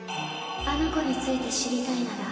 あの子について知りたいなら